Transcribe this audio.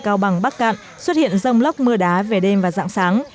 cao bằng bắc cạn xuất hiện rông lóc mưa đá về đêm và sẵn sàng